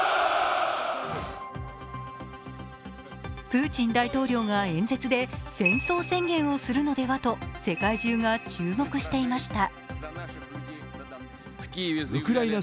プーチン大統領が演説で戦争宣言をするのではと世界中が注目していました。